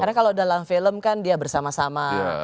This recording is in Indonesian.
karena kalau dalam film kan dia bersama sama